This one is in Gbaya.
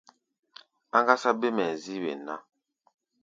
Áŋgásá bêm hɛ̧ɛ̧ zíí wen ná.